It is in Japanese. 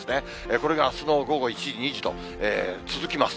これがあすの午後１時、２時と続きます。